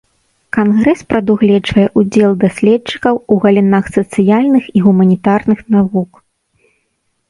Кангрэс прадугледжвае ўдзел даследчыкаў у галінах сацыяльных і гуманітарных навук.